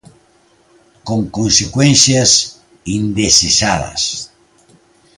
Con consecuencias indesexadas.